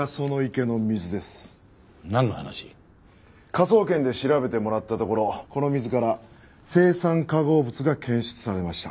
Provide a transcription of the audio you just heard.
科捜研で調べてもらったところこの水から青酸化合物が検出されました。